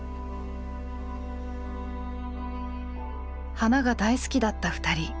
花が大好きだった２人。